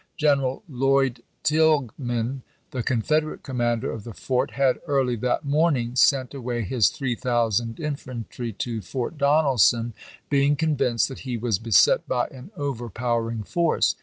General Lloyd Tilghman, the Confederate com mander of the fort, had, early that morning, sent away his three thousand infantry to Fort Donelson, being convinced that he was beset by an overpower ing force.